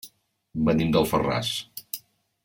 Venim d'Alfarràs.